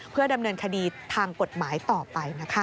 เพื่อดำเนินคดีทางกฎหมายต่อไปนะคะ